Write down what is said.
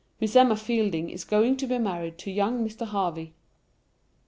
Miss Emma Fielding is going to be married to young Mr. Harvey.